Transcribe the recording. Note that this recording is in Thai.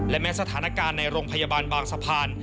และแม้สถานการณ์ในโรงพยาบาลบางสะพาน